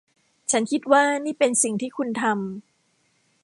ฉันคิดว่านี่เป็นสิ่งที่คุณทำ